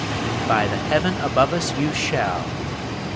"By the Heaven above us, you shall."